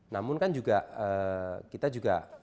namun kan juga kita juga